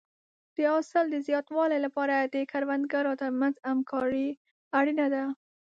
د حاصل د زیاتوالي لپاره د کروندګرو ترمنځ همکاري اړینه ده.